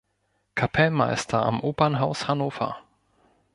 Kapellmeister am Opernhaus Hannover.